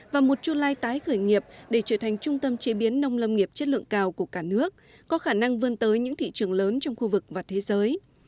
và một chu lai tái khởi nghiệp để trở thành trung tâm chế biến nông lâm nghiệp chất lượng cao của cả nước có khả năng vươn tới những thị trường lớn trong khu vực và thế giới